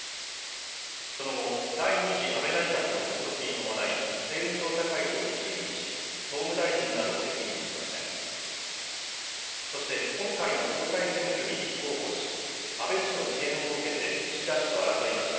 その後、第２次安倍内閣の発足に伴い、政務調査会長に就任し、総務大臣などを歴任しました。